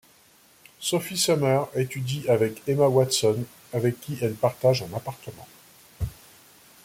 Sophie Sumner étudie avec Emma Watson avec qui elle partage un appartement.